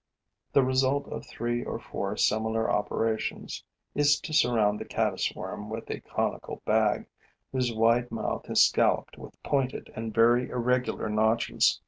The result of three or four similar operations is to surround the Caddis worm with a conical bag, whose wide mouth is scalloped with pointed and very irregular notches.